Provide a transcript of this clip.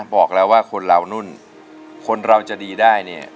บอกแล้วว่าคนเรานุ่นคนเราจะดีได้เนี่ย